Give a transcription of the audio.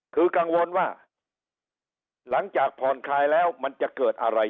คือกังวลว่าหลังจากผ่อนคลายแล้วมันจะเกิดอะไร